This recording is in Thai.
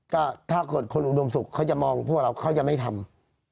ก็ถ้าคนอุดมสุขเขาจะมองพวกเราเขาจะไม่ทำอ่า